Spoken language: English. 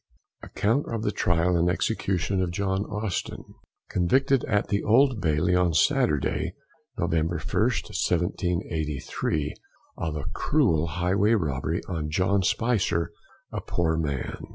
ACCOUNT OF THE TRIAL AND EXECUTION OF JOHN AUSTIN. Convicted at the OLD BAILEY on Saturday, Nov. 1st, 1783, of a Cruel Highway Robbery on JOHN SPICER, a Poor Man.